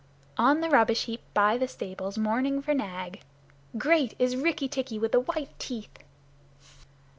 "On the rubbish heap by the stables, mourning for Nag. Great is Rikki tikki with the white teeth."